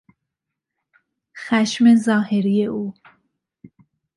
خشم ظاهری او